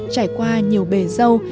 trải qua nhiều bề dâu